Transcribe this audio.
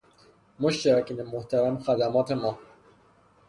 مشترکین محترم خدمات ما